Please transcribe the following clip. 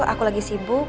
aku lagi silahkan